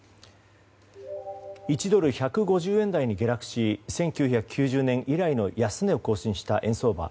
１ドル＝１５０円台に下落し１９９０年以来の安値を更新した円相場。